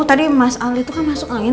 tadi mas ali itu kan masuk angin